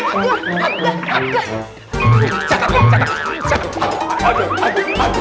ada air banyak